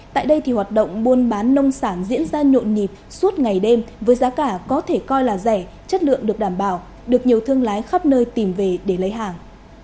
tại đây thì hoạt động buôn bán nông sản diễn ra nhộn nhịp suốt ngày đêm với giá cả có thể coi là rẻ chất lượng được đảm bảo được nhiều thương lái khắp nơi tìm về để lấy hàng